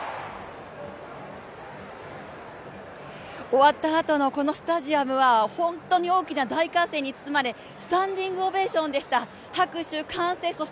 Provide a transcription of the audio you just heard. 終わったあとのこのスタジアムは本当に大きな大歓声に包まれスタンディングオベーションでした。